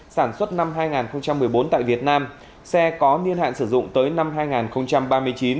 sản xuất năm hai nghìn một mươi bốn tại việt nam xe có niên hạn sử dụng tới năm hai nghìn ba mươi chín